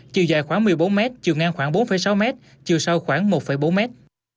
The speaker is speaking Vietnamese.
chiều dài khoảng một mươi bốn mét chiều ngang khoảng bốn sáu mét chiều sâu khoảng một bốn mét